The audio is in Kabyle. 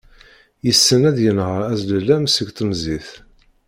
Yessen ad yenher azlalam seg temẓit.